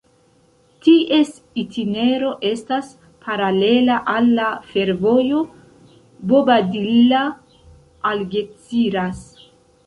Ties itinero estas paralela al la fervojo Bobadilla-Algeciras.